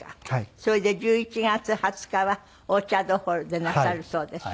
それで１１月２０日はオーチャードホールでなさるそうです。